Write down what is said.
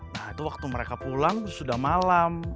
nah itu waktu mereka pulang sudah malam